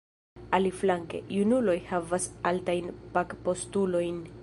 Aliflanke, junuloj havas altajn pagpostulojn.